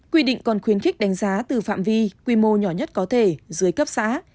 quy định còn khuyến khích đánh giá từ phạm vi quy mô nhỏ nhất có thể dưới cấp xã